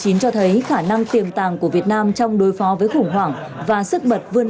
covid một mươi chín cho thấy khả năng tiềm tàng của việt nam trong đối phó với khủng hoảng và sức mật vươn